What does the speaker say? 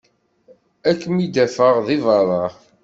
Ad kem-id-afeɣ deg berra.